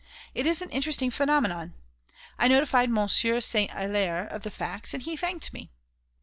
It is an interesting phenomenon. I notified Monsieur Saint Hilaire of the facts, and he thanked me.